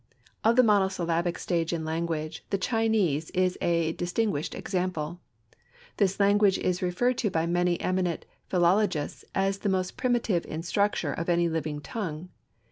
Of the monosyllabic stage in language, the Chinese is a distinguished example. This language is referred to by many eminent philologists as the most primitive in structure of any living tongue.